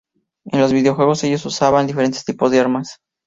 En los videojuegos ellos usaban diferentes tipos de armas.